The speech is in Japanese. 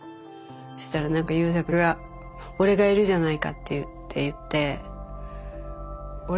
そしたら何か優作が俺がいるじゃないかって言っていて。